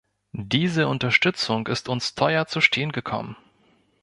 Diese Unterstützung ist uns teuer zu stehen gekommen.